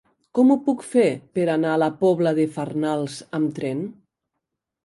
Com ho puc fer per anar a la Pobla de Farnals amb tren?